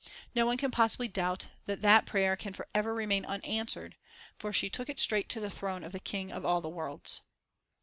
No one can possibly doubt that that prayer can forever remain unanswered, for she took it straight to the Throne of the King of all the worlds.